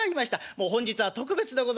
もう本日は特別でございまして。